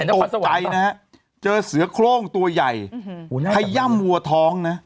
ตกใจนะฮะเจอเสือโครงตัวใหญ่ขย่ำวัวท้องนะ